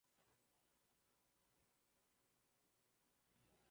Mzazi ni nani hapa?